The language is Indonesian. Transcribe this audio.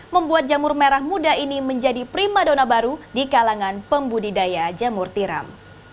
membuat jamur merah muda ini menjadi prima dona baru di kalangan pembudidaya jamur tiram